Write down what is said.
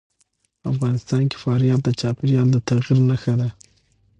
افغانستان کې فاریاب د چاپېریال د تغیر نښه ده.